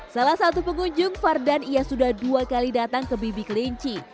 salah satu pengunjung fardan ia sudah dua kali datang ke bibi kelinci